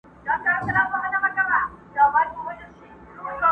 په دريو مياشتو كي به ډېر كم بې لاسونو!!